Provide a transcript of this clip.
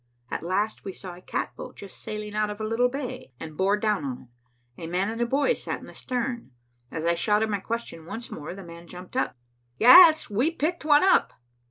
At last we saw a catboat just sailing out of a little bay, and bore down on it. A man and a boy sat in the stern. As I shouted my question once more, the man jumped up. "Yes, we picked one up."